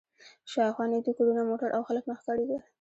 شا و خوا نږدې کورونه، موټر او خلک نه ښکارېدل.